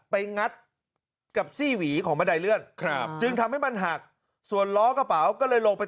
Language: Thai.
งัดกับซี่หวีของบันไดเลื่อนครับจึงทำให้มันหักส่วนล้อกระเป๋าก็เลยลงไป